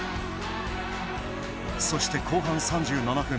そして後半３７分。